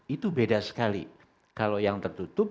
itu beda sekali kalau yang tertutup